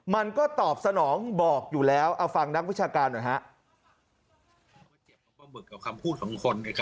มันก็ตอบสนองบอกอยู่แล้วเอาฟังนักวิชาการหน่อยฮะ